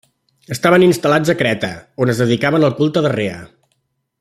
Estaven instal·lats a Creta, on es dedicaven al culte de Rea.